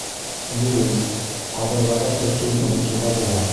Дөрөҫ, ҡабырғаға тертөүен оноторға була.